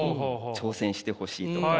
挑戦してほしいとか。